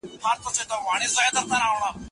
دغه لایحه باید په پښتو کي تشریح سي.